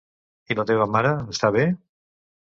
I la teva mare, està bé?